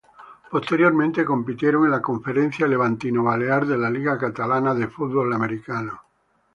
Posteriormente compitieron en la conferencia Levantino-Balear de la Liga Catalana de Fútbol Americano.